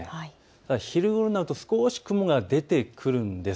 昼になると少し雲が出てくるんです。